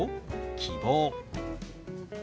「希望」。